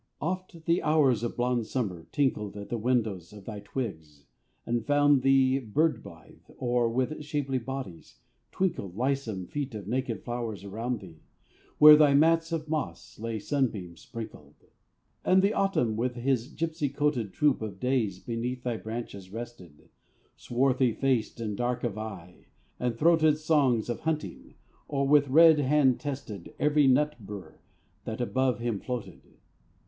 Oft the hours of blonde Summer tinkled At the windows of thy twigs, and found thee Bird blithe; or, with shapely bodies, twinkled Lissom feet of naked flowers around thee, Where thy mats of moss lay sunbeam sprinkled. And the Autumn with his gipsy coated Troop of days beneath thy branches rested, Swarthy faced and dark of eye; and throated Songs of hunting; or with red hand tested Every nut bur that above him floated.